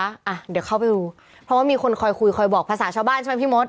อ่ะเดี๋ยวเข้าไปดูเพราะว่ามีคนคอยคุยคอยบอกภาษาชาวบ้านใช่ไหมพี่มด